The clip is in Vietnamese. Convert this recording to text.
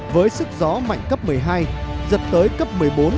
với sức gió mạnh cấp một mươi hai giật tới cấp một mươi bốn một mươi năm